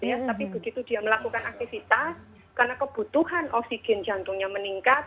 tapi begitu dia melakukan aktivitas karena kebutuhan oksigen jantungnya meningkat